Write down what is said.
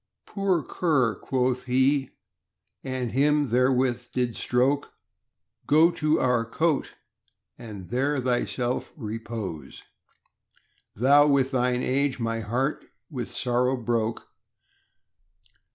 Poor cur, quoth he, and him therewith did stroke, Go to our cote and there thyself repose; Thou with thine age my heart with sorrow broke.